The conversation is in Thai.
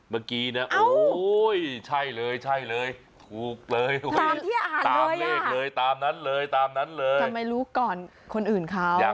เมื่อกี้นะโอ้ยใช่เลยถูกเลย